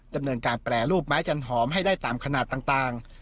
ดำเนินการแปรรูปไม้จันหอมให้ได้ตามขนาดต่าง